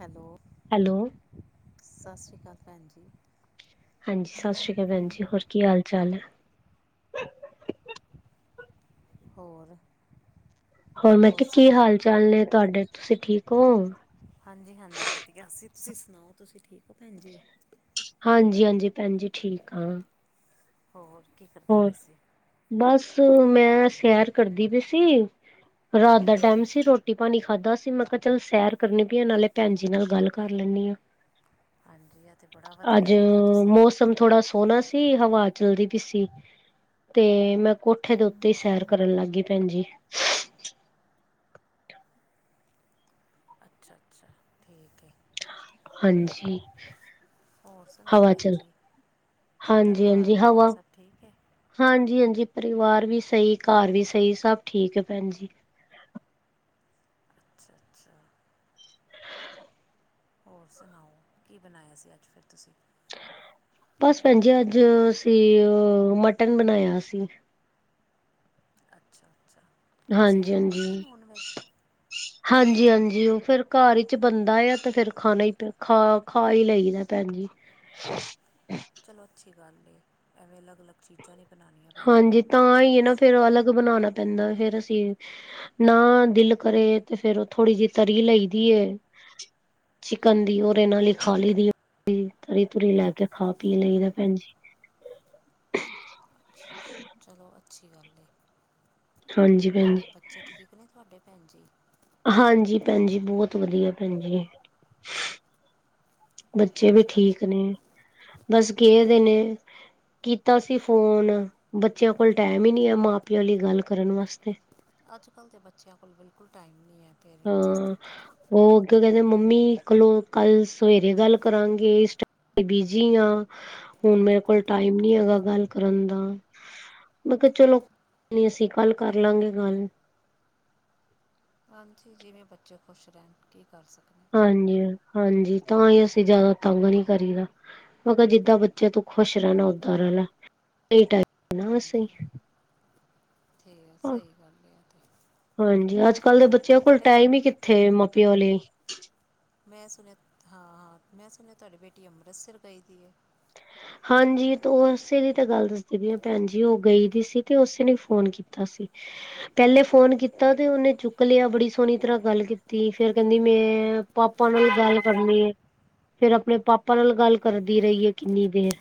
Hello hello ਸਤਿ ਸ੍ਰੀ ਅਕਾਲ ਭੈਣ ਜੀ। ਹਾਂਜੀ, ਸਤਿ ਸ਼੍ਰੀ ਅਕਾਲ ਭੈਣ ਜੀ, ਹੋਰ ਕੀ ਹਾਲ-ਚਾਲ? ਹੋਰ? ਹੋਰ ਮੈਂ ਕਿਹਾ ਕਿ ਹਾਲ-ਚਾਲ ਨੇ ਤੁਹਾਡੇ, ਤੁਸੀਂ ਠੀਕ ਓੰ? ਹਾਂਜੀ-ਹਾਂਜੀ, ਵਧੀਆ ਅਸੀ, ਤੁਸੀਂ ਸੁਣਾਓ, ਤੁਸੀਂ ਠੀਕ ਓ ਭੈਣ ਜੀ? ਹਾਂਜੀ-ਹਾਂਜੀ, ਭੈਣ ਜੀ, ਠੀਕ ਆਂ। ਹੋਰ, ਕੀ ਕਰਦੇ ਪਏ ਸੀ? ਬਸ, ਮੈਂ ਸੈਰ ਕਰਦੀ ਪਈ ਸੀ ਰਾਤ ਦਾ ਟਾਈਮ ਸੀ, ਰੋਟੀ-ਪਾਣੀ ਖਾਧਾ ਸੀ, ਮੈਂ ਕਿਹਾ ਚੱਲ ਸੈਰ ਕਰਨੀ ਪਈਂ ਆ, ਨਾਲੇ ਭੈਣ ਜੀ ਨਾਲ ਗੱਲ ਕਰ ਲੈਂਨੀ ਆ। [unintelligible] ਹਾਂਜੀ, ਐ ਤੇ ਬੜਾ ਵਧੀਆ ਕੀਤਾ ਤੁਸੀਂ। ਮੌਸਮ ਥੋੜਾ ਸੋਹਣਾ ਸੀ, ਹਵਾ ਚੱਲਦੀ ਪੀ ਸੀ। ਤੇ, ਮੈਂ ਕੋਠੇ ਦੇ ਉੱਤੇ ਈ ਸੈਰ ਕਰਨ ਲੱਗਗੀ, ਭੈਣ ਜੀ। ਅੱਛਾ-ਅੱਛਾ, ਠੀਕ ਏ। ਹਾਂਜੀ। ਹੋਰ ਸੁਣਾਓ ਹਵਾ ਭੈਣ ਚੱਲ ਜੀ, ਉੱਧਰ ਹਾਂਜੀ ਹਾਂਜੀ ਘਰ-ਪਰਿਵਾਰ ਹਵਾ ਸਭ ਠੀਕ ਏ? ਹਾਂਜੀ-ਹਾਂਜੀ, ਪਰਿਵਾਰ ਵੀ ਸਹੀ, ਘਰ ਵੀ ਸਹੀ, ਸਭ ਠੀਕ ਆ ਭੈਣ ਜੀ। ਅੱਛਾ-ਅੱਛਾ। [inaudible] ਹੋਰ ਸੁਣਾਓ, ਕੀ ਬਣਾਇਆ ਸੀ ਅੱਜ ਫਿਰ ਤੁਸੀਂ? ਬਸ ਭੈਣ ਜੀ, ਅੱਜ ਅਸੀਂ ਮਟਨ ਬਣਾਇਆ ਸੀ। ਅੱਛਾ-ਅੱਛਾ, ਤੁਸੀਂ ਖਾ ਲੈਂਦੇ ਓ ਹਾਂਜੀ-ਹਾਂਜੀ। ਨੋਨ-ਵੈਜ? [unintelligible] ਹਾਂਜੀ-ਹਾਂਜੀ, ਉਹ ਫਿਰ ਘਰ'ਚ ਬਨਦਾ ਯਾ, ਤੇ ਫਿਰ ਖਾਣਾ ਹੀ ਖਾ, ਖਾ ਈ ਲਈਦਾ ਭੈਣ ਜੀ। [inaudible] ਚਲੋ, ਅੱਛੀ ਗੱਲ ਏ, ਐਵੇਂ ਅਲੱਗ-ਅਲੱਗ ਚੀਜ਼ਾਂ ਨਹੀਂ ਬਣਾਣੀਆਂ ਪੈਂਦੀਆਂ। ਹਾਂਜੀ ਤਾਂ ਹੀ ਹੈ ਨਾ ਫੇਰ ਉਹ ਅਲੱਗ ਬਣਾਉਣਾ ਪੈਂਦਾ, ਫੇਰ ਅਸੀ। ਨਾ, ਦਿਲ ਕਰੇ ਤੇ ਫੇਰ ਉਹ ਥੋੜ੍ਹੀ ਜਿਹੀ ਤਰੀ ਲਈ ਦੀ ਏ। ਚਿਕਨ ਦੀ, ਉਹਦੇ ਨਾਲ ਈ ਖਾ ਲਈ ਦੀ ਏ। ਤਰੀ-ਤੁਰੀ, ਲੈਕੇ ਖਾ-ਪੀ ਲਈਦਾ ਭੈਣ ਜੀ। ਚਲੋ, ਅੱਛੀ ਗੱਲ ਏ। ਹਾਂਜੀ ਭੈਣ ਹੋਰ ਜੀ। ਬੱਚੇ ਠੀਕ ਨੇ ਤੁਹਾਡੇ, ਭੈਣ ਜੀ? ਹਾਂਜੀ ਭੈਨ ਜੀ, ਬਹੁਤ ਵਧੀਆ ਭੈਨ ਜੀ। ਬੱਚੇ ਵੀ ਅੱਛਾ ਅੱਛਾ ਠੀਕ ਨੇ, ਬਸ ਕਿਹੇ ਦੇ ਨੇ। ਕੀਤਾ ਸੀ ਫੋਨ, ਬੱਚਿਆਂ ਕੋਲ ਟਾਈਮ ਈ ਨਹੀ ਐ, ਮਾਂ-ਪਿਓ ਲਈ ਗੱਲ ਕਰਨ ਵਾਸਤੇ। ਅੱਜ-ਕੱਲ੍ਹ ਦੇ ਬੱਚਿਆਂ ਕੋਲ ਬਿਲਕੁਲ ਟਾਈਮ ਨੀ ਐ। ਹਾਂ। ਉਹ ਅੱਗੇ ਕਹਿੰਦੇ, ਮੰਮੀ ਖਲੋ ਕੱਲ ਸਵੇਰੇ ਗੱਲ ਕਰਾਂਗੇ ਇਸ ਟਾਈਮ ਮੈਂ ਬਿਜੀ ਆ, ਹੁਣ ਮੇਰੇ ਕੋਲ ਟਾਈਮ ਨੀ ਹੈਗਾ ਗੱਲ ਕਰਨ ਦਾ। ਮੈਂ ਕਿਹਾ ਚਲੋ ਨੀ ਅਸੀਂ ਕੱਲ ਕਰ ਲਾਂਗੇ ਗੱਲ। ਹਾਂਜੀ ਜਿਵੇਂ ਬੱਚੇ ਖੁਸ਼ ਰਹਿਣ, ਕੀ ਕਰ ਸਕਦੇ। ਹਾਂਜੀ-ਹਾਂਜੀ, ਤਾਂਈ ਅਸੀਂ ਜਿਆਦਾ, ਤੰਗ ਨੀ ਕਰੀਦਾ। ਮੈਂ ਕਿਹਾ, ਜਿੱਦਾਂ ਬੱਚਾ ਤੂੰ ਖੁਸ਼ ਰਹਿਣਾ, ਓਦਾਂ ਰਹਿਲਾ, ਐਹੀ ਟਾਈਮ ਐ ਨਾ ਵੇਸੇ। ਹਾਂਜੀ ਤੇ ਸਹੀ ਗੱਲ ਐ ਇਹ ਤੇ। ਹਾਂਜੀ, ਅੱਜ-ਕੱਲ ਦੇ ਹੋਰ ਬੱਚਿਆਂ ਕੋਲ ਕਿੱਧਰ ਹੈ ਟਾਈਮ ਤੁਹਾਡੀ ਈ ਬੇਟੀ ਕਿੱਥੇ ਮਾ-ਪਿਓ ਲਈ। ਮੈਂ ਸੁਣਿਆ ਹਾਂ-ਹਾਂ ਮੈਂ ਸੁਣਿਆ ਤੁਹਾਡੀ ਬੇਟੀ ਅੰਮ੍ਰਿਤਸਰ ਗਈ ਦੀ ਐ? ਹਾਂਜੀ, ਤੇ ਉਸੇ ਦੀ ਤਾਂ ਗੱਲ ਦੱਸਦੀ ਆ ਭੈਣ ਜੀ ਉਹ ਗਈ ਦੀ ਸੀ, ਤੇ ਉਸੇ ਨੇ ਫੋਨ ਕੀਤਾ। ਤਾ ਸੀ। ਪਹਿਲੇ ਫੋਨ ਕੀਤਾ ਤੇ ਉਹਨੇ ਚੁੱਕ ਲਿਆ, ਬੜੀ ਸੋਹਣੀ ਤਰ੍ਹਾਂ ਗੱਲ ਕੀਤੀ, ਫੇਰ ਕਹਿੰਦੀ ਮੈਂ ਪਾਪਾ ਨਾਲ ਗੱਲ ਕਰਨੀ ਐ, ਫੇਰ ਆਪਣੇ ਪਾਪਾ ਨਾਲ ਗੱਲ ਕਰਦੀ ਰਹੀਏ ਕਿੰਨੀ ਫੇਰ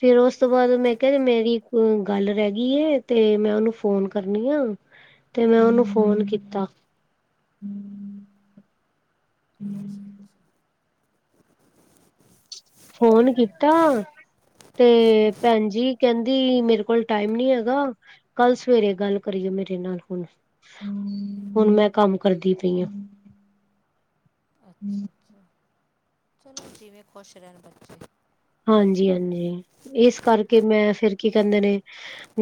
ਫਿਰ ਉਸ ਤੋਂ ਬਾਅਦ ਮੈਂ ਅੱਛਾ ਕਿਹਾ, ਅੱਛਾ ਮੇਰੀ ਇੱਕ ਗੱਲ ਰਹਿ ਗਈ ਐ, ਮੈਂ ਉਹਨੂੰ ਫ਼ੋਨ ਕਰਨੀ ਆ। ਤੇ ਮੈਂ ਉਨੂੰ ਫੋਨ ਕੀਤਾ। ਅੱਛਾ ਹੂੰ, ਅੱਛਾ ਫੋਨ ਕੀਤਾ। ਤੇ ਭੈਣ ਜੀ ਕਹਿੰਦੀ, ਮੇਰੇ ਕੋਲ ਟਾਈਮ ਨੀ ਹੈਗਾ। ਕੱਲ ਸਵੇਰੇ ਗੱਲ ਕਰੀਏ ਮੇਰੇ ਨਾਲ ਹੁਣ ਹੁਣ ਮੈਂ ਕੰਮ ਕਰਦੀ ਪਈ ਆ। ਅੱਛਾ-ਅੱਛਾ, ਚਲੋ ਜਿਵੇਂ ਖੁਸ਼ ਰਹਿਣ ਬੱਚੇ ਹਾਂਜੀ-ਹਾਂਜੀ, ਇਸ ਕਰਕੇ ਮੈਂ ਫਿਰ ਕੀ ਕਹਿੰਦੇ ਨੇ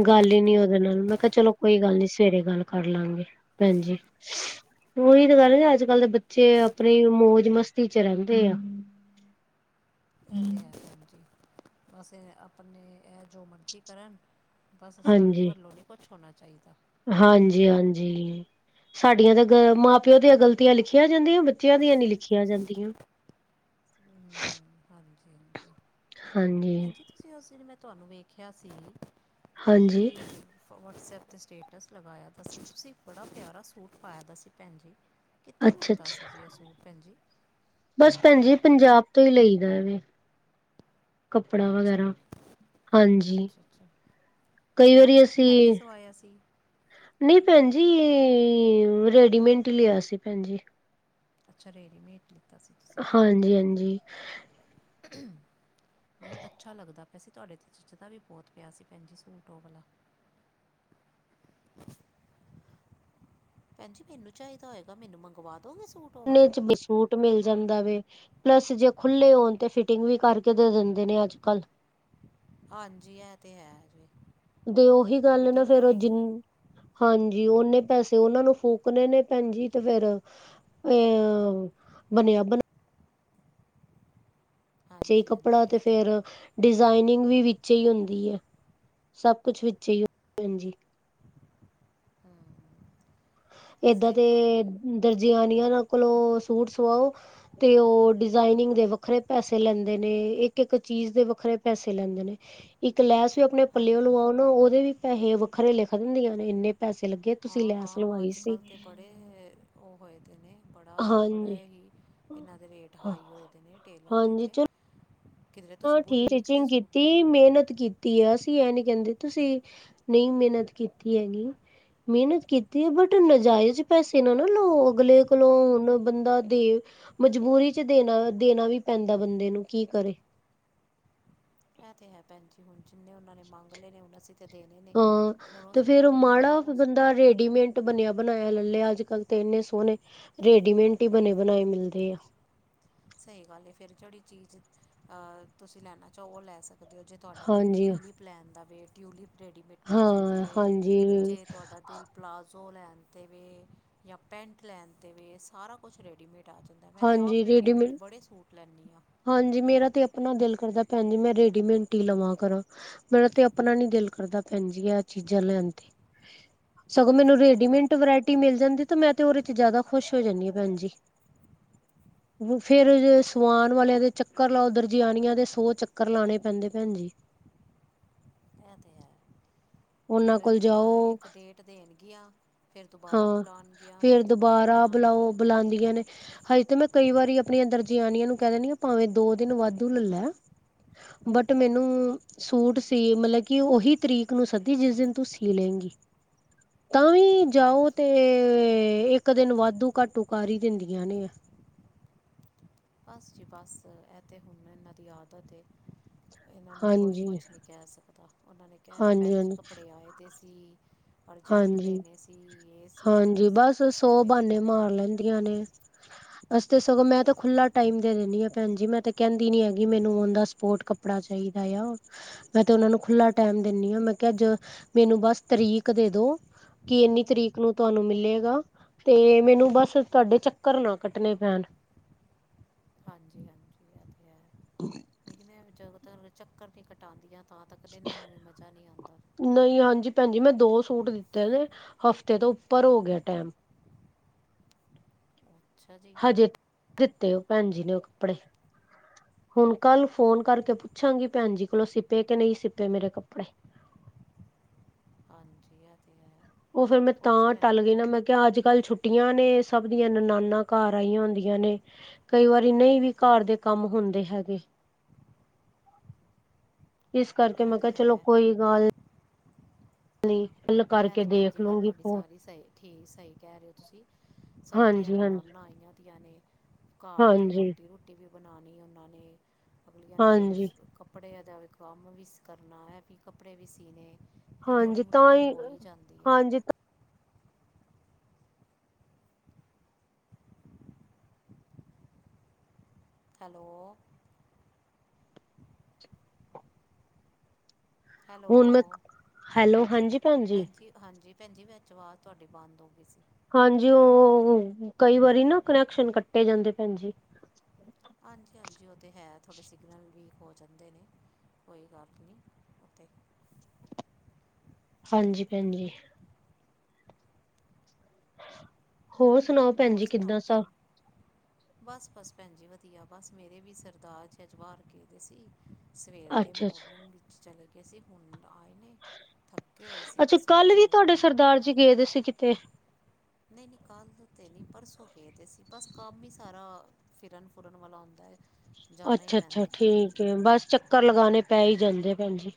ਗੱਲ ਈ ਨੀ ਉਹਦੇ ਨਾਲ ਮੈਂ ਕਿਹਾ ਚਲੋ ਕੋਈ ਗੱਲ ਨੀ ਸਵੇਰੇ ਗੱਲ ਕਰ ਲਵਾਂਗੇ। ਭੈਣ ਜੀ, ਉਹੀ ਤਾਂ ਗੱਲ ਐ, ਅੱਜ-ਕੱਲ੍ਹ ਦੇ ਬੱਚੇ ਆਪਣੀ ਮੌਜ-ਮਸਤੀ ਵਿੱਚ ਈ ਰਹਿੰਦੇ ਐ। ਹੂੰ, ਇਹ ਤੇ ਹੈ ਭੈਣ ਜੀ ਬਸ ਆਪਣੀ ਜੋ ਮਰਜ਼ੀ ਕਰਨ, ਵੇਸੇ ਸਾਡੇ ਹਾਂਜੀ, ਵੱਲੋਂ ਨੀ ਕੋਈ ਕੁਛ ਹੋਣਾ ਚਾਹੀਦਾ। ਹਾਂਜੀ-ਹਾਂਜੀ, ਸਾਡੀਆਂ ਤਾਂ ਗ ਮਾਂ ਪਿਓ ਦੀਆਂ ਗਲਤੀਆਂ ਲਿਖੀਆਂ ਜਾਂਦੀਆਂ ਬੱਚਿਆਂ ਦੀਆਂ ਨੀ ਲਿਖੀਆਂ ਜਾਂਦੀਆਂ। [inaudible] ਹਾਂਜੀ-ਹਾਂਜੀ, ਹਾਂਜੀ, ਤੁਸੀਂ ਉਸ ਦਿਨ ਮੈਂ ਤੁਹਾਨੂੰ ਵੇਖਿਆ ਸੀ ਹਾਂਜੀ ਤੁਸੀਂ ਵਟਸਐਪ 'ਤੇ ਸਟੇਟਸ ਲਗਾਇਆ ਸੀ, ਤੁਸੀਂ ਬੜਾ ਪਿਆਰਾ ਸੂਟ ਪਾਇਆ ਦਾ ਸੀ, ਭੈਣ ਜੀ। ਕਿੱਥੋਂ ਲਿੱਤਾ ਸੀ ਅੱਛਾ-ਅੱਛਾ ਜੇ ਉਹ ਸੂਟ ਭੈਣ ਜੀ। ਬਸ ਭੈਣ ਜੀ ਪੰਜਾਬ ਤੋ ਲਈਦਾ ਐ ਵੇ, ਕੱਪੜਾ ਅੱਛਾ ਵਗੇਰਾ। ਹਾਂਜੀ, ਅੱਛਾ ਅੱਛਾ ਕਈ ਵਾਰੀ ਫੈਬਰਿਕ ਅਸੀਂ ਲੈ ਕੇ ਸਵਾਇਆ ਸੀ ਨਈ ਭੈਣ ਜੀ, ਰੈਡੀਮੇਡ ਈ ਲਿਆ ਸੀ। ਅੱਛਾ ਰੇਰੀਮੇਟ ਲਿੱਤਾ ਸੀ ਤੁਸੀ ਸੂਟ ਹਾਂਜੀ ਹਾਂਜੀ ਨਈ ਅੱਛਾ ਲਗਦਾ ਪਿਆ ਸੀ ਤੁਹਾਡੇ 'ਤੇ ਜਚਦਾ ਵੀ ਬਹੁਤ ਪਿਆ ਸੀ ਭੈਣ ਜੀ ਸੂਟ ਔ ਆਲਾ। ਭੈਣ ਜੀ ਮੈਨੂੰ ਚਾਹੀਦਾ ਹੋਏਗਾ ਮੈਨੂੰ ਮੰਵਾ ਦਉਗੇ ਸੂਟ? ਉਹ ਨੇ ਵਾਲਾ ਚ ਵਿਚ ਸੂਟ ਮਿਲ ਜਾਂਦਾ ਵੇ ਪਲੱਸ ਜੇ ਖੁੱਲੇ ਹੋਨ ਤੇ ਫਿਟਿੰਗ ਵੀ ਕਰਕੇ ਦੇ ਦਿੰਦੇ ਨੇ ਅੱਜ-ਕੱਲ ਹਾਂਜੀ ਐ ਤੇ ਹੈ ਜੀ। ਤੇ ਓਹੀ ਗੱਲ ਐ ਨਾ, ਫਿਟਿੰਗ ਫਿਰ ਫੁਟਿੰਗ ਜਿੰਨਾ ਹਾਂਜੀ, ਓਨੇ ਪੈਸੇ ਤਾਂ ਓਨਾਂ ਨੂੰ ਫੂਕਨੇ ਨੇ ਭੈਨ ਜੀ, ਤੇ ਫਿਰ ਅ ਬਨੇਆ ਬਨਾਏਆ। ਜੇ ਹਾਂਜੀ ਕੱਪੜਾ ਹਾਂਜੀ ਤੇ ਇਹ ਤਾਂ ਫੇਰ ਡਿਜ਼ਾਇਨਿੰਗ ਵੀ ਵਿੱਚੇ ਈ ਹੁੰਦੀ ਐ ਸਬ ਕੁਝ ਵਿੱਚੇ ਈ ਹੁੰਦਾ ਭੈਨ ਜੀ। ਹਾਂ। ਏਦਾਂ ਤੇ ਦਰਜੇਆਨੀਆ ਕੋਲੋਂ ਸੂਟ ਸਵਾਓ। ਤੇ ਓ ਡਿਜ਼ਾਇਨਿੰਗ ਦੇ ਵੱਖਰੇ ਪੈਸੇ ਲੈਂਦੇ ਨੇ, ਇੱਕ-ਇੱਕ ਚੀਜ਼ ਦੇ ਵੱਖਰੇ ਪੈਸੇ ਲੈਂਦੇ ਨੇ। ਇੱਕ ਲੈਸ ਵੀ ਆਪਨੇ ਪੱਲੇਓ ਹਾਂਜੀ ਲਵਾਓ ਨਾ ਓਦੇ ਵੀ ਪੈਹੇ ਵੱਖਰੇ ਲਿਖ ਦਿੰਦੀਆਂ ਨੇ ਇੰਨੇ। ਪੈਸੇ ਲੱਗੇ ਆ ਤੁਸੀਂ ਹਾਂ ਲੈ ਸਕ ਹਾਂ, ਅੱਜ-ਕੱਲ ਤੇ ਬੜੇ ਓ ਹੋਏ ਦੇ ਨੇ। ਬੜਾ ਹਾਂਜੀ ਬੜੇ ਹੀ ਏਨਾਂ ਦੇ ਰੇਟ ਹਾਈ ਹੋਏ ਦੇ ਨੇ ਟੇਲਰ ਦੇ ਹਾਂਜੀ ਤੇ ਚਲੋ ਕਿਧਰੇ ਹਾਂ ਤੁਸੀਂ ਠੀ ਬੁਟੀਕ ਤੇ ਟੀਚਿੰਗ ਸੂਟ ਕੀਤੀ ਏ ਮੇਨਤ ਮੇਨਤ ਕੀਤੀ ਆ ਅਸੀਂ ਏ ਨੀ ਕੈਂਦੇ ਤੁਸੀਂ ਨਈਂ ਮੇਨਤ ਕੀਤੀ ਹੈਗੀ। ਮੇਨਤ ਕੀਤੀ ਐ ਬਟ ਨਾਜਾਇਜ਼ ਪੈਸੇ ਨਾ ਨਾ ਲਓ ਅਗਲੇ ਕੋਲੋਂ ਹੁਨ ਬੰਦਾ ਦੇ ਮਜਬੂਰੀ ਚ ਦੇਨਾ ਦੇਨਾ ਵੀ ਪੈਂਦਾ ਬੰਦੇ ਨੂੰ ਕੀ ਕਰੇ। ਐ ਤੇ ਹੈ ਭੈਣ ਜੀ। ਹੁਨ ਜਿੰਨੇ ਓਨਾਂ ਨੇ ਮੰਗ ਲਏ ਨੇ ਹੁਨ ਅਸੀਂ ਤੇ ਦੇਨੇ ਨੇ ਹੁਨ ਉਸ ਤੋ ਓਵੇਂ ਓਸ ਆ ਰੇਡੀਮੇਡ ਬਨੇਆ ਬਨਾਏਆ ਲੈ ਲਿਆ ਅੱਜ-ਕੱਲ ਤੇ ਇੰਨੇ ਸੋਨੇ ਰੇਡੀਮੇਡ ਈ ਬਨੇ ਬਨਾਏ ਮਿਲਦੇ ਐ। ਸਈ ਗੱਲ ਐ ਫਿਰ ਜੇੜੀ ਚੀਜ਼ ਅ ਤੁਸੀਂ ਲੈਨਾ ਚਾਹੋ ਓ ਲੈ ਜੇ ਤੁਆਡਾ ਦਿਲ ਹਾਂਜੀ ਟਿਊਲਿਪ ਲੈਨ ਦਾ ਵੇ ਟਿਊਲਿਪ ਰੈਡੀਮੇਟ ਮਿਲ ਜਾਂਦੀ ਹਾਂ ਐ ਹਾਂਜੀ ਜੇ ਤੁਆਡਾ ਦਿਲ ਪਲਾਜ਼ੋ ਲੈਣ ਤੇ ਵੇ ਜਾਂ ਪੈਂਟ ਲੈਨ ਤੇ ਵੇ ਸਾਰਾ ਕੁਛ ਰੈਡੀਮੇਟ ਆ ਜਾਂਦਾ ਮੈਂ ਤੇ ਆਪ ਹਾਂਜੀ ਰੈਡੀਮੇਡ ਰੇਡੀਮੇਡ ਬੜੇ ਸੂਟ ਲੈਂਨੀ ਆ। ਹਾਂਜੀ ਮੇਰਾ ਤੇ ਆਪਨਾ ਦਿਲ ਕਰਦਾ ਭੈਨ ਜੀ ਮੈਂ ਰੇਡੀਮੇਡ ਈ ਲਵਾਂ ਕਰਾਂ। ਮੇਰਾ ਤੇ ਆਪਨਾ ਨੀ ਦਿਲ ਕਰਦਾ ਭੈਨ ਜੀ ਆ ਚੀਜ਼ਾਂ ਲੈਨ ਤੇ ਸਗੋਂ ਮੈਨੂੰ ਹਾਂਜੀ ਰੇਡੀਮੇਟ ਹਾਂਜੀ ਵੈਰਾਇਟੀ ਮਿਲ ਜਾਂਦੀ ਆ ਤੇ ਮੈਂ ਤੇ ਓਦੇ ਚ ਜ਼ਾਅਦਾ ਖੁਸ਼ ਹੋ ਜਾਂਦੀ ਆ ਭੈਣਜੀ। ਫਿਰ ਇਹ ਤਾਂ ਹੈ ਭੈਣ ਜੀ ਸਵਾਨ ਵਾਲੇਆਂ ਦੇ ਚੱਕਰ ਲਾਓ ਦਰਜ ਆਨੀਆਂ ਦੇ ਸੌ ਚੱਕਰ ਲਾਨੇ ਪੈਂਦੇ ਆ ਭੈਨ ਜੀ। ਐ ਤੇ ਹੈ। ਉਹਨਾਂ ਫਿਰ ਕੋਲ ਇੱਕ ਵਾਰ ਜਾਓ ਇੱਕ ਡੇਟ ਦੇਨਗੀਆਂ ਫੇਰ ਦੁਬਾਰਾ ਹਾਂ ਬੁਲੋਨ ਗੀਆ। ਫੇਰ ਦੁਬਾਰਾ ਬੁਲਾਓ ਬੁਲਾਂਦੀਆਂ ਨੇ। ਹਜੇ ਤੇ ਮੈਂ ਕਈ ਵਾਰੀ ਆਪਨੀਆਂ ਦਰਜੇ ਆਨੀਆਂ ਨੂੰ ਕੈ ਦਿੰਨੀਆਂ ਭਾਵੇਂ ਦੋ ਦਿਨ ਵਾਧੂ ਲੈਲਾ। ਬਟ ਮੈਨੂੰ ਸੂਟ ਸੀ ਮਤਲਬ ਕਿ ਓਹੀ ਤਰੀਕ ਨੂੰ ਸਦੇ ਦੀ ਜਿਸ ਦਿਨ ਤੂੰ ਸੀ ਲੇਂਗੀ ਤਾਂ ਵੀ ਜਾਓ ਹਾਂਜੀ ਤੇ ਇੱਕ ਇੱਕ ਦਿਨ ਵਾਧੂ ਘਾਟੂ ਕਰ ਈ ਦਿੰਦੀਆਂ ਨੇ। ਬੱਸ ਜੀ ਬੱਸ ਐ ਤੇ ਹੁਨ ਏਨਾਂ ਦੀ ਆਦਤ ਏ। ਏਨਾਂ ਨੂੰ ਕੋਈ ਹਾਂਜੀ, ਹਾਂਜੀ, ਕੁਛ ਨੀ ਕੈ ਸਕਦਾ ਓਨਾਂ ਨੇ ਕੈਣਾ ਭੈਨ ਜੀ ਹਾਂਜੀ, ਕੱਪੜੇ ਆਏ ਦੇ ਸੀ। ਅਰਜੈਂਟ ਹਾਂਜੀ ਦੇਨੇ ਸੀ ਏ ਸੀ ਬੋ ਸੀ ਬਸ ਐਵੇਂ ਗੱਲਾਂ ਬੁਲੋਂਦੀਆਂ ਨੇ। [inaudible] ਅਸੀਂ ਤੇ ਸਗੋਂ ਮੈਂ ਤਾਂ ਖੁੱਲਾ ਟਾਈਮ ਦੇ ਦਿੰਨੀ ਆ ਭੈਨ ਜੀ ਮੈਂ ਤੇ ਕੈਂਦੀ ਨੀ ਹੈਗੀ ਮੈਂਨੂੰ ਓਨ ਦਾ ਸਪੋਰਟ ਕਪ ਕੱਪੜਾ ਚਾਈਦਾ ਆ, ਮੈਂ ਤੇ ੳਨਾ ਨੂੰ ਖੁੱਲਾ ਟੈਮ ਦੇਨੀ ਆ, ਮੈਂ ਕੇਆ ਜ ਮੈਨੂੰ ਬਸ ਤਰੀਕ ਦੇ ਦੋ, ਕੇ ਏਨੀ ਤਰੀਕ ਨੂੰ ਤਾਨੂੰ ਮਿਲੇਗਾ ਤੇ ਮੈਨੂੰ ਬਸ ਤਾਡੇ ਚੱਕਰ ਨਾ ਕੱਟਨੇ ਪੈਣ। ਹਾਂਜੀ ਹਾਂਜੀ ਐ ਤੇ ਹੈ, ਲੇਕਿਨ ਏ ਜਾਦਾਤਰ ਚੱਕਰ ਤੇ ਕਟਾਂਦੀਆਂ ਤਾਂ ਤੱਕ ਤੇ ਏਨਾ ਨੂੰ ਵੀ ਮਜਾ ਨਈ ਆਂਦਾ। ਨਈ ਹਾਂਜੀ ਭੈਨਜੀ ਮੈਂ ਦੋ ਸੂਟ ਦਿੱਤੇ ਨੇ, ਹਫ਼ਤੇ ਤੋਂ ਉਪਰ ਹੋ ਗਿਆ ਟੈਮ। ਅੱਛਾ ਜੀ ਹਜੇ ਤਕ ਨਈ ਦਿੱਤੇ ੳਹ ਭੈਨ ਜੀ ਨੇ ੳਹ ਕੱਪੜੇ। ਹੁਣ ਕਲ ਫੋਨ ਕਰਕੇ ਪੁੱਛਾਂਗੀ ਭੈਨਜੀ ਕੋਲੋਂ ਸਿਪੇ ਕੇ ਨਈ ਸਿਪੇ ਮੇਰੇ ਕੱਪੜੇ। ਹਾਂਜੀ, ਐ ਤਾਂ ਹੈ। ੳਹ ਫੇਰ ਮੈਂ ਪੁੱਛ ਤਾਂ ਲੈਣਾ ਟਲ ਗਈ ਚ ਨਾ ਮੈਂ ਕੇਆ ਅੱਜ-ਕੱਲ ਛੁੱਟੀ ਛੁਟੀਆਂ ਨੇ ਸਭ ਦੀਆਂ ਨਨਾਣਾ ਘਰ ਆਈਆਂ ਹੁੰਦੀਆਂ ਨੇ ਕਈ ਵਾਰੀ ਨਈ ਵੀ ਘਰ ਦੇ ਕੰਮ ਹੁੰਦੇ ਹੈਗੇ। ਇਸ ਕਰਕੇ ਇਹ ਮੈਂ ਤਾਂ ਕੇਆ ਚਲੋ ਹੈ ਕੋਈ ਗੱਲ ਨਈ ਐ ਤਾਂ ਭੈਨ ਜੀ ਗੱਲ ਤਾਡੀ ਸਾਰੀ ਸਹੀ ਠੀਕ ਸਹੀ ਕੈ ਰਏ ੳ ਤੁਸੀ। ਸਭ ਦੀਆਂ ਹਾਂਜੀ ਹਾਂਜੀ ਨਨਾਣਾ ਆਈਆ ਦੀਆ ਨੇ ਘਰ ਦੀ ਹਾਂਜੀ ਰੋਟੀ ਰੂਟੀ ਵੀ ਬਨਾਨੀ ੳਨਾ ਨੇ, ਅਗਲੀਆਂ ਨੇ ਫੇਰ ਹਾਂਜੀ ਕਪ ਕੱਪੜੇਆਂ ਦਾ ਵੀ ਕੰਮ ਵੀ ਕਰਨਾ ਐ ਵੀ ਕੱਪੜੇ ਵੀ ਸੀਨੇ ਫਿਰ ਥੋੜ੍ਹੀ ਹਾਂਜੀ ਮੁਸ਼ਕਲ ਤਾਂਈ ਹੋ ਹੀ ਜਾਂਦੀ ਹੈ ਹਾਂਜੀ ਤਾਂ ਹੈਲੋ ਹੁਨ ਮੈਂ, ਹੈਲੋ ਹੈਲੋ ਹਾਂਜੀ, ਭੈਨਜੀ। ਕਿ ਹਾਂਜੀ ਭੈਨ ਜੀ ਵਿਚ ਆਵਾਜ ਤੁਆਡੀ ਬੰਦ ਹੋ ਗਈ ਸੀ। ਹਾਂਜੀ ੳਹ ਕਈ ਵਾਰੀ ਨਾ ਕਨੈਕਸ਼ਨ ਕੱਟੇ ਜਾਂਦੇ ਭੈਨਜੀ। ਹਾਂਜੀ ਹਾਂਜੀ ੳਹ ਤੇ ਹੈ ਥੋੜੇ ਸਿਗਨਲ ਵੀਕ ਹੋ ਜਾਂਦੇ ਜਾਂਦੇ ਨੇ ਕੋਈ ਗੱਲ ਨਈ ੳਥੇ ਹਾਂਜੀ ਭੈਨਜੀ। ਹੋਰ ਸੁਣਾਓ ਭੈਨ ਹੋਰ ਜੀ ਸੁਣਾਓ ਕਿਦਾਂ ਸਭ? ਭੈਣ ਬਸ, ਬਸ ਭੈਨ ਜੀ ਵਧੀਆ, ਬਸ ਮੇਰੇ ਵੀ ਸਰਦਾਰ ਜੀ ਅੱਜ ਬਾਹਰ ਗਏ ਦੇ ਸੀ। ਸਵੇਰ ਦੇ ਅੱਛਾ ਅੱਛਾ ਮੋਰਨਿੰਗ ਵਿੱਚ ਚਲੇ ਗਏ ਸੀ ਹੁਣ ਆਏ ਨੇ। ਥੱਕੇ ਹੋਏ ਸੀ ਤੇ ਅੱਛਾ ਸੋ ਕੱਲ ਗਏ ਵੀ ਨੇ। ਤੁਹਾਡੇ ਸਰਦਾਰ ਜੀ ਗਏ ਦੇ ਸੀ ਕਿਤੇ ਨਈ ਨਈ ਕਲ ਤੇ ਨਈ ਪਰਸੋਂ ਗਏ ਦੇ ਸੀ, ਬਸ ਕੰਮ ਈ ਸਾਰਾ ਫਿਰਨ ਫੁਰਨ ਵਾਲਾ ਹੁੰਦਾ ਐ। ਅੱਛਾ ਅੱਛਾ ਠੀਕ ਏ, ਬਸ ਚੱਕਰ ਲਗਾਨੇ ਪੈ ਈ ਜਾਂਦੇ ਆ ਭੈਣਜੀ।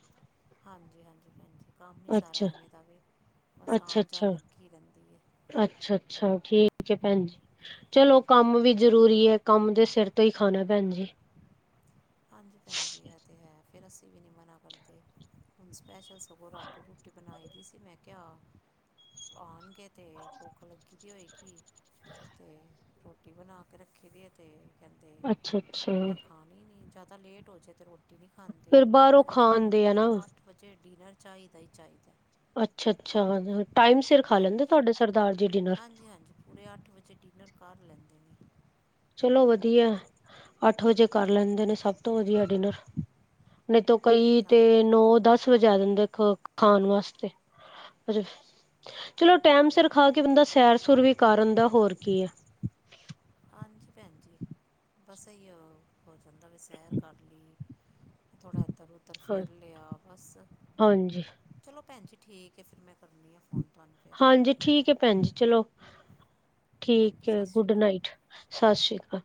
ਹਾਂਜੀ ਹਾਂਜੀ ਭੈਨ ਜੀ, ਕੰਮ ਈ ਸਾਰਾ ਅੱਛਾ ਐਵੇਂ ਦਾ ਵੇ ਬਸ ਅੱਛਾ ਆਣ ਅੱਛਾ ਜਾਣ ਲਗੀ ਰੈਂਦੀ ਏ। ਅੱਛਾ ਅੱਛਾ, ਠੀਕ ਏ ਭੈਨ ਜੀ। ਚਲੋ ਕੰਮ ਵੀ ਜਰੂਰੀ ਏ। ਕੰਮ ਦੇ ਸਿਰ ਤੋਂ ਈ ਖਾਨਾ ਭੈਨਜੀ। ਹਾਂਜੀ ਭੈਨ ਜੀ ਐ ਤਾਂ ਹੈ, ਫੇਰ ਅਸੀ ਵੀ ਨੀ ਮਨਾ ਕਰਦੇ। ਹੁਣ ਸਪੈਸ਼ਲ ਸਗੋਂ ਰਾਟੀ ਰੂਟੀ ਬਨਾਈ ਦੀ ਸੀ, ਮੈਂ ਕੇਆ ਆਨਗੇ ਤੇ ਭੋਖ ਲੱਗੀ ਦੀ ਹੋਏਗੀ ਤੇ ਰੋਟੀ ਬਨਾ ਕੇ ਰੱਖ ਰੱਖੀ ਦੇ ਏ ਤੇ ਕੈਂਦੇ ਅੱਛਾ ਅੱਛਾ ਮੈਂ ਖਾਨੀ ਨੀ, ਜਾਦਾ ਲੇਟ ਹੋ ਜੇ ਤੇ ਰੋਟੀ ਰੋਟੀ ਨੀ ਖਾਂਦੇ। ਫੇਰ ਅੱਠ ਬਾਹਰੋਂ ਵਜੇ ਏਨਾ ਨੂੰ ਖਾਣਦੇ ਆ ਤੇ ਨਾ ਅੱਠ ਵਜੇ ਡਿਨਰ ਚਾਈਦਾ ਈ ਚਾਈਦਾ। ਅੱਛਾ ਅੱਛਾ, ਟਾਈਮ ਸਿਰ ਖਾ ਲੈਂਦੇ ਹਾਂਜੀ ਤੁਆਡੇ ਸਰਦਾਰ ਜੀ ਡਿਨਰ। ਹਾਂਜੀ ਹਾਂਜੀ ਪੂਰੇ ਅੱਠ ਵਜੇ ਡਿਨਰ ਕਰ ਲੈਂਦੇ ਨੇ ਚਲੋ ਵਧੀਆ ਅੱਠ ਵਜੇ ਕਰ ਲੈਂਦੇ ਨੇ ਸਭ ਤੋਂ ਵਧੀਆ ਡਿਨਰ ਨਈ ਤੋ ਕਈ ਤੇ ਹਾਂਜੀ ਨੋ, ਦੱਸ ਵਜਾ ਦੇਂਦੇ ਖਾਨ ਵਾਸਤੇ। ਚਲੋ ਟੈਮ ਸਿਰ ਖਾ ਕੇ ਬੰਦਾ ਸੈਰ ਸੂਰ ਵੀ ਕਰ ਆਂਦਾ, ਹੋਰ ਕੀ ਏ। ਹਾਂਜੀ ਭੈਨ ਜੀ ਬਸ ਐਈੳ ਹੋ ਜਾਂਦਾ ਵੇ ਸੈਰ ਕਰ ਲੀ। ਥੋੜਾ ਇੱਧਰ ਨੂੰ ਤਾਂ ਹਾਂ ਫਿਰ ਲਿਆ ਬਸ ਹਾਂਜੀ ਚਲੋ ਭੈਣ ਜੀ ਠੀਕ ਹੈ ਫਿਰ ਮੈਂ ਕਰਨੀ ਹਾਂ ਫ਼ੋਨ ਤੁਹਾਨੂੰ। ਫਿਰ ਭੈਣ ਹਾਂਜੀ ਜੀ ਠੀਕ ਹੈ ਭੈਣ ਜੀ ਚਲੋ ਹਾਂਜੀ ਠੀਕ ਹੈ ਸਤਿ ਸ਼੍ਰੀ ਗੁੱਡ ਅਕਾਲ ਨਾਈਟ‌। ਸਤਿ ਸ਼੍ਰੀ ਅਕਾਲ।